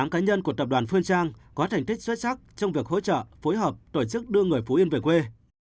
hai mươi cá nhân của tập đoàn phương trang có thành tích xuất sắc trong việc hỗ trợ phối hợp tổ chức đưa người phú yên về quê